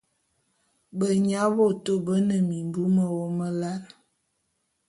Benyabôtô bé ne mimbu mewôm lal.